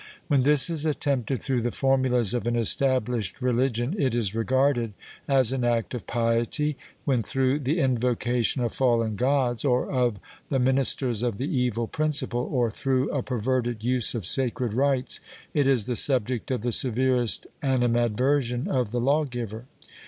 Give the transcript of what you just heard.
When this is attempted through the formulas of an established religion it is regarded as an act of piety ; when through the invocation of fallen gods, or of the ministers of the Evil Prin ciple, or through a perverted use of sacred rites, it is the subject of the severest animadversion of the law giver.